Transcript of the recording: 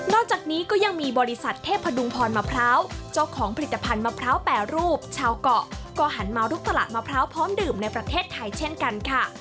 จากนี้ก็ยังมีบริษัทเทพดุงพรมะพร้าวเจ้าของผลิตภัณฑ์มะพร้าวแปรรูปชาวเกาะก็หันมาลุกตลาดมะพร้าวพร้อมดื่มในประเทศไทยเช่นกันค่ะ